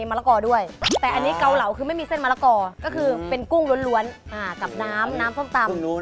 มือนี่เสนอเมนู